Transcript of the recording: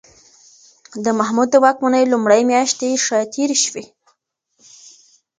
د محمود د واکمنۍ لومړۍ میاشتې ښه تېرې شوې.